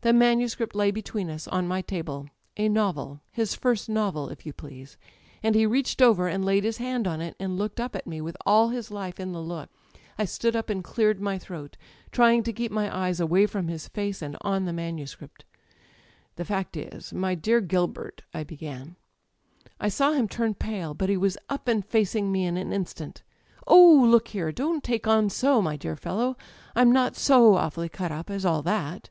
The manuscript lay between us}, bn my table â€" a novel, his first novel, if you please! â€" and he reached over and laid his hand on it, and looked up at me with all his life in the look. [ 263 ] Digitized by LjOOQ IC THE EYES '*I stood up and cleared my throat, trying to keep my eyes away from his face and on the manuscript. "*The fact is, my dear Gilbert,* I began ^^I saw him turn pale, but> he was up and facing me in an instant. "*Oh, look here, don't take on so, my dear fellow! I'm not so awfully cut up as all that!'